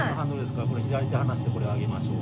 左手離してこれ上げましょう。